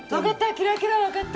分かった！